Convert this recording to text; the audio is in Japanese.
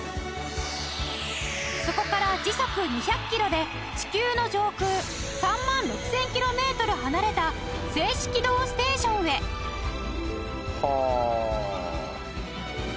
そこから時速２００キロで地球の上空３万６０００キロメートル離れた静止軌道ステーションへはあ。